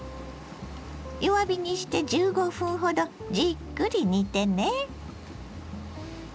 弱火にして１５分ほどじっくり煮てね。